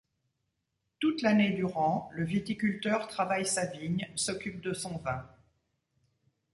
Toute l’année durant, le viticulteur travaille sa vigne, s’occupe de son vin.